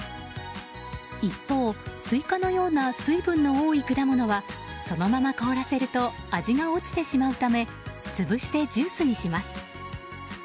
一方、スイカのような水分の多い果物はそのまま凍らせると味が落ちてしまうため潰してジュースにします。